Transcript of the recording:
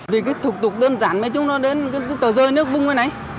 vì cái thục tục đơn giản nói chung nó đến cái tờ rơi nước vung như này